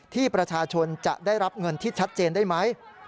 ที่ประชาชนจะได้รับเงินที่ชัดเจนได้ไหม